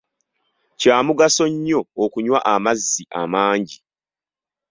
Kya mugaso nnyo okunywa amazzi amangi.